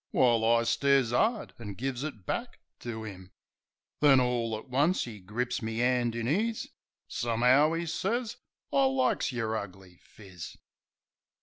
While I stares 'ard an' gives it back to 'im. Then orl at once 'e grips me 'and in 'is: "Some'ow," 'e sez, "I likes yer ugly phiz."